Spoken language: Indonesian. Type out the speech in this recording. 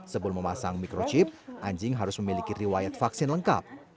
sebelum memasang microchip anjing harus memiliki riwayat vaksin lengkap